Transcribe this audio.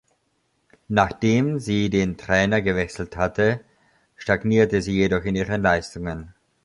Nachdem sie den Trainer gewechselt hatte, stagnierte sie jedoch in ihren Leistungen.